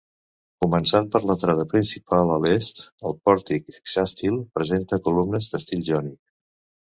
Començant per l'entrada principal a l'est, el pòrtic hexàstil presenta columnes d'estil jònic.